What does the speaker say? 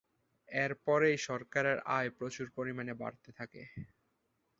এর পরেই সরকারের আয় প্রচুর পরিমাণে বাড়তে থাকে।